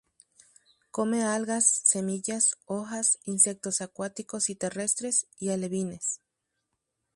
Come algas, semillas, hojas, insectos acuáticos y terrestres, y alevines.